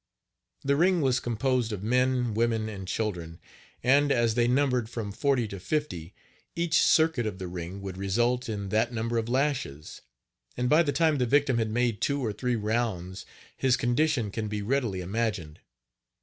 The ring was composed of men, women and children; and, as they numbered from forty to fifty, each circuit of the ring would result in that number of lashes, and by the time the victim had made two or three rounds his condition can be readily imagined.